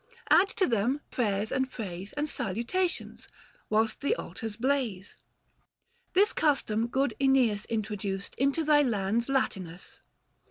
Add to them prayers and praise, And salutations, whilst the altars blaze. This custom good iEneas introduced Into thy lands Latinus.